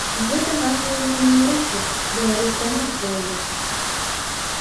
Гэта нашая неўміручасць, беларуская нацыя ёсць.